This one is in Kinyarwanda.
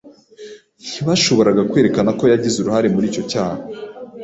Ntibashoboraga kwerekana ko yagize uruhare muri icyo cyaha.